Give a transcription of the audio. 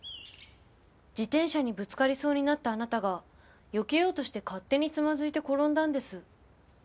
自転車にぶつかりそうになったあなたがよけようとして勝手につまずいて転んだんです。